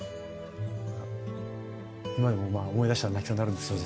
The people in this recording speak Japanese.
今でも思い出したら泣きそうになるんですけど。